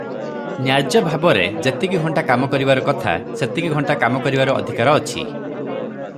ନ୍ୟାର୍ଯ୍ୟ ଭାବରେ ଯେତିକି ଘଣ୍ଟା କାମ କରିବାର କଥା ଯେତିକି ଘଣ୍ଟା କାମ କରିବାର ଅଧିକାର ଅଛି ।